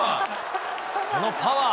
このパワー。